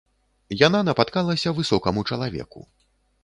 Яна напаткалася высокаму чалавеку.